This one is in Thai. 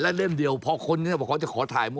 และเล่มเดียวเพราะคนนี้เขาจะขอถ่าย